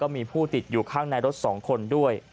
มีผู้ติดอยู่ข้างในรถ๒คนด้วย